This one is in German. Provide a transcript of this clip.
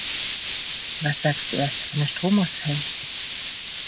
Was sagst du erst, wenn der Strom ausfällt?